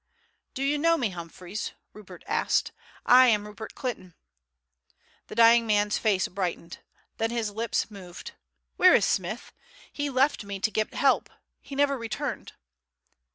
"Do you know me, Humphreys?" Rupert asked. "I am Rupert Clinton." The dying man's face brightened. Then his lips moved. "Where is Smith? He left me to get help; he never returned."